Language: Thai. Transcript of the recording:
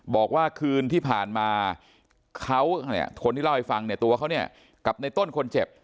บอกว่าคืนที่ผ่านมาเขาเนี่ยคนที่เล่าให้ฟังเนี่ยตัวเขาเนี่ยกับในต้นคนเจ็บ